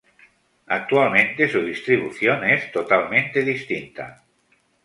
Actualmente su distribución es totalmente distinta.